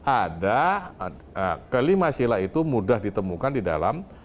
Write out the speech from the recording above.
ada kelima sila itu mudah ditemukan di dalam